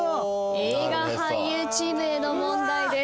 映画俳優チームへの問題です。